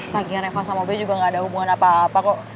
lagian reva sama boy juga gak ada hubungan apa apa kok